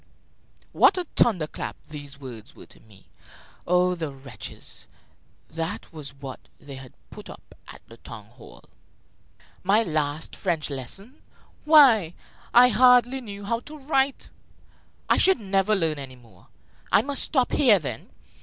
What a thunder clap these words were to me! Oh, the wretches; that was what they had put up at the town hall! My last French lesson! Why, I hardly knew how to write! I should never learn any more! I must stop there, then!